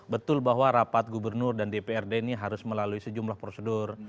betul bahwa rapat gubernur dan dprd ini harus melalui sejumlah prosedur